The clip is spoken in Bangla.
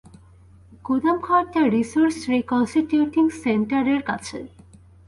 গুদাম ঘরটা রিসোর্স রিকন্সটিটিউটিং সেন্টারের কাছে।